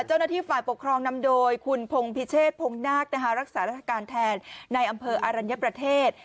เจ้าหน้าที่ฝ่ายปกครองนำโดยคุณพงพิเชษพงนาครักษาราชการแทนในอำเภออรัญญประเทศ